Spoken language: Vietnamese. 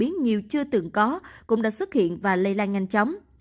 biến nhiều chưa từng có cũng đã xuất hiện và lây lan nhanh chóng